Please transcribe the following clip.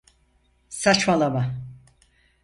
Saçmalama!